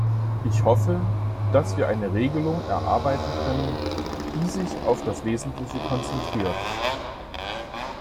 Ich hoffe, dass wir eine Regelung erarbeiten können, die sich auf das Wesentliche konzentriert.